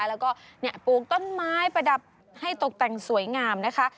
แล้วก็ปลูกต้นน้ำไม้ให้ตกแต่งสวยงามนะคะ